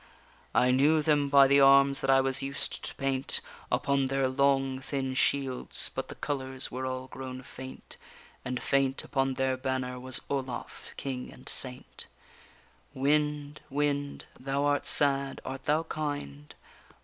I knew them by the arms that I was used to paint Upon their long thin shields; but the colours were all grown faint, And faint upon their banner was Olaf, king and saint. _Wind, wind! thou art sad, art thou kind?